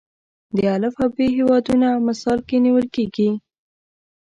د الف او ب هیوادونه مثال کې نیول کېږي.